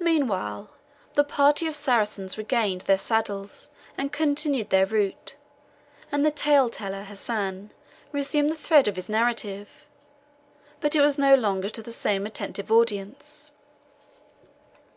Meanwhile, the party of Saracens regained their saddles, and continued their route, and the tale teller, Hassan, resumed the thread of his narrative; but it was no longer to the same attentive audience.